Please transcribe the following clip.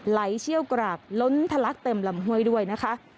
เชี่ยวกราบล้นทะลักเต็มลำห้วยด้วยนะคะ